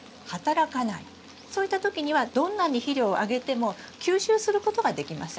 そういった時にはどんなに肥料をあげても吸収することができません。